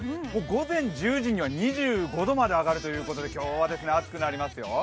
午前１０時には２５度まで上がるということで今日は暑くなりますよ。